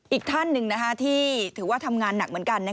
อีกท่านหนึ่งที่ถือว่าทำงานหนักเหมือนกัน